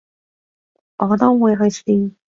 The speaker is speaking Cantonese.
我都會去試